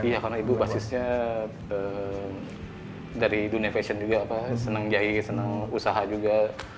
iya karena ibu basisnya dari dunia fashion juga apa seneng jahit seneng usaha juga